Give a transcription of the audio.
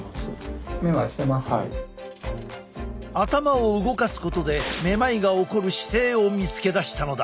頭を動かすことでめまいが起こる姿勢を見つけ出したのだ。